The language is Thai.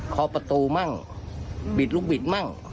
ขอประตูมั่งบิดลูกบิดมั่ง